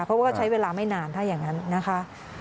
เพราะว่าใช้เวลาไม่นานถ้าอย่างนั้นนะคะ